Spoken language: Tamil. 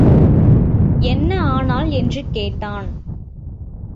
என்ன ஆனாள் என்று கேட்டான்.